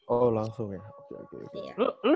oh langsung ya oke oke